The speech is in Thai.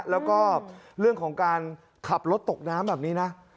แล้วก็เรื่องของการขับรถตกน้ำแบบนี้นะ